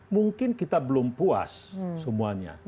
mungkin kita belum puas semuanya